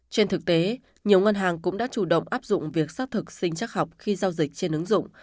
trên thực tế nhiều ngân hàng cũng đã chủ động áp dụng việc xác thực sinh chắc học khi giao dịch trên ứng dụng